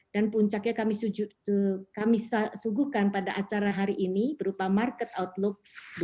dan puncaknya kami suguhkan pada acara hari ini berupa market outlook dua ribu dua puluh satu